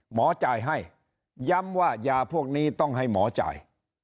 หมอจ่ายให้ย้ำว่ายาพวกนี้ต้องให้หมอจ่าย